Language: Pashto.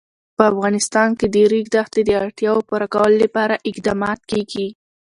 په افغانستان کې د د ریګ دښتې د اړتیاوو پوره کولو لپاره اقدامات کېږي.